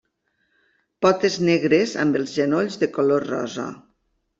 Potes negres amb els genolls de color rosa.